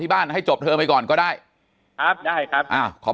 แต่คุณยายจะขอย้ายโรงเรียน